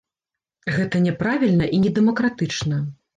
Гэта няправільна і не дэмакратычна.